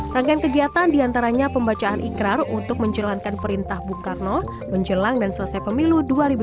rangkaian kegiatan diantaranya pembacaan ikrar untuk menjalankan perintah bung karno menjelang dan selesai pemilu dua ribu dua puluh